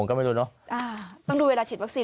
ถงก็ไม่รู้เนอะเหรอ